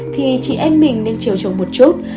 thì chị em mình nên chiều trộn một chút